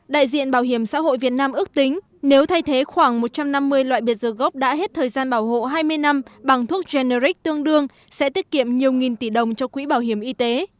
đại diện bảo hiểm xã hội việt nam ước tính nếu thay thế khoảng một trăm năm mươi loại biệt dược gốc đã hết thời gian bảo hộ hai mươi năm bằng thuốc generic tương đương sẽ tiết kiệm nhiều nghìn tỷ đồng cho quỹ bảo hiểm y tế